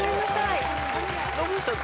野口さん